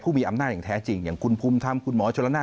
มีอำนาจอย่างแท้จริงอย่างคุณภูมิธรรมคุณหมอชนละนาน